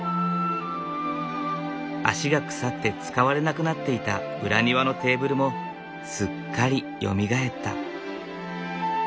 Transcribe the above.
脚が腐って使われなくなっていた裏庭のテーブルもすっかりよみがえった。